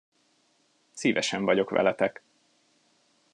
Szívesen vagyok veletek.